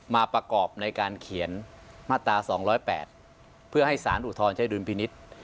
มาประกอบในการเขียนมาตรา๒๐๘เพื่อให้สารอุทธรณ์ใช้ดุลพินิษฐ์